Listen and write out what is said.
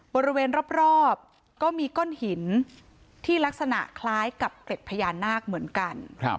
บริเวณรอบก็มีก้อนหินที่ลักษณะคล้ายกับเกร็ดพญานาคเหมือนกัน